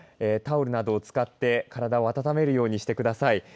タオルなどを使って体を温めるようにしてください。